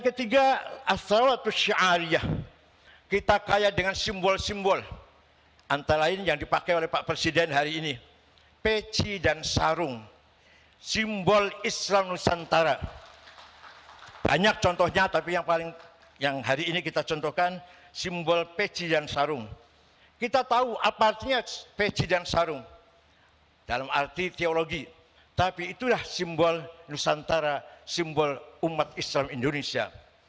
kita tahu apa artinya pj dan sarung dalam arti teologi tapi itulah simbol nusantara simbol umat islam indonesia